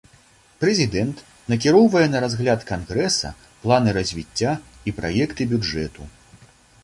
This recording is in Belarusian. Прэзідэнт накіроўвае на разгляд кангрэса планы развіцця і праекты бюджэту.